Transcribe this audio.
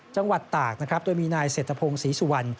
จังหวัดตากนะครับโดยมีนายเศรษฐพงศรีสุวรรณ